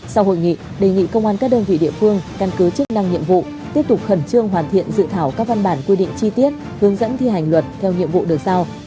sau hội nghị đề nghị công an các đơn vị địa phương căn cứ chức năng nhiệm vụ tiếp tục khẩn trương hoàn thiện dự thảo các văn bản quy định chi tiết hướng dẫn thi hành luật theo nhiệm vụ được sao